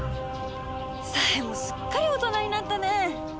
紗絵もすっかり大人になったねえ。